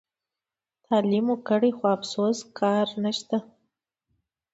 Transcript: تعلیم مو کړي خو افسوس کار نشته.